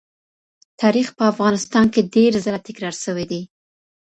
تاریخ په افغانستان کې ډېر ځله تکرار سوی دی.